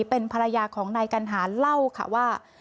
เป็นภรรยาของนายกัณหารเล่าค่ะว่า